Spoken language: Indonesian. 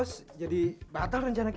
saya yang gak mau pak